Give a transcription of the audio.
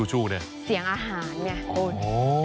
เสียงอาหารเนี่ยอ๋อ